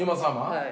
はい。